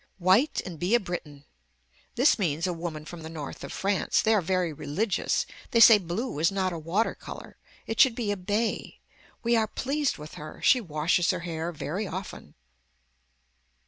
White and be a Briton. This means a woman from the north of France. They are very religious. They say blue is not a water color. It should be a bay. We are pleased with her. She washes her hair very often.